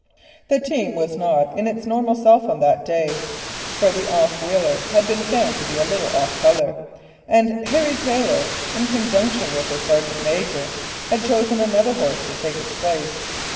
The team was not its normal self on that day, for the off wheeler had been found to be a little off colour, and Harry Taylor, in conjunction with the sergeant major, had chosen another horse to take its place.